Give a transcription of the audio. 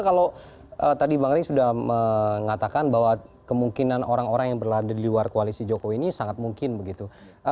kalau tadi bang ray sudah mengatakan bahwa kemungkinan orang orang yang berlanda di luar koalisi jokowi ini sangat mungkin begitu